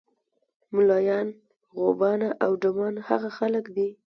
ملایان، غوبانه او ډمان هغه خلک دي.